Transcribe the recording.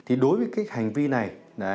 thì đối với cái hành vi này